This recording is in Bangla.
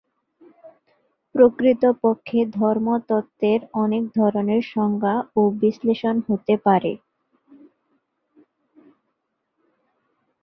প্রকৃতপক্ষে ধর্মতত্ত্বের অনেক ধরনের সংজ্ঞা ও বিশ্লেষণ হতে পারে।